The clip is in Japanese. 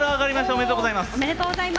おめでとうございます。